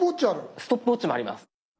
ストップウォッチもあります。